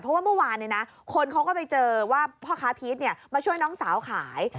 เพราะว่าเมื่อวานคนเขาก็ไปเจอว่าพ่อค้าพีชมาช่วยน้องสาวขาย